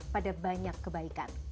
pada banyak kebaikan